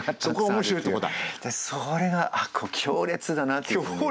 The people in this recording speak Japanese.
それが強烈だなっていうふうに。